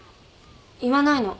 言わないの。